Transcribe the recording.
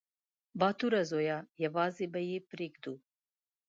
_باتوره زويه! يوازې به يې پرېږدو.